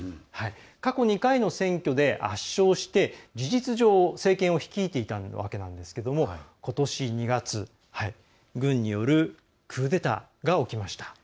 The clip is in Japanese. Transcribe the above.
過去２回の選挙で圧勝して事実上、政権を率いていたわけなんですけどもことし２月、軍によるクーデターが起きました。